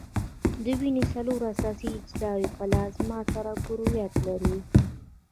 د وینې څلور اساسي اجزاوي پلازما، سره کرویات دي.